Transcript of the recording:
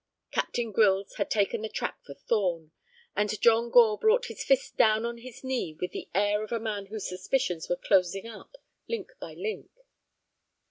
Captain Grylls had taken the track for Thorn, and John Gore brought his fist down on his knee with the air of a man whose suspicions were closing up, link by link.